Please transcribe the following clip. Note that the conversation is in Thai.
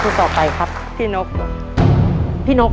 ตัวเลือดที่๑พศ๒๕๔๕